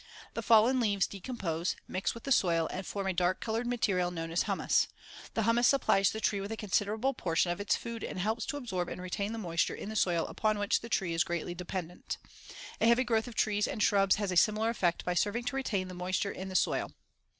The fallen leaves decompose, mix with the soil and form a dark colored material known as humus. The humus supplies the tree with a considerable portion of its food and helps to absorb and retain the moisture in the soil upon which the tree is greatly dependent. A heavy growth of trees and shrubs has a similar effect by serving to retain the moisture in the soil.